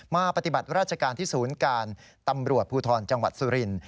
ปฏิบัติราชการที่ศูนย์การตำรวจภูทรจังหวัดสุรินทร์